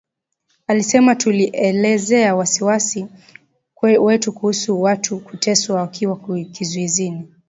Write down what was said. Alisema tulielezea wasiwasi wetu kuhusu watu kuteswa wakiwa kizuizini.